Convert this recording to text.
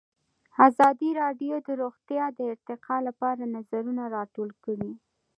ازادي راډیو د روغتیا د ارتقا لپاره نظرونه راټول کړي.